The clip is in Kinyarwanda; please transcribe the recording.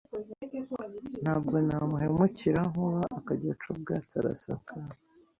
Ntabwo namuhemukira Nkuba akajya aca ubwatsi arasakara